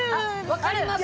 分かります。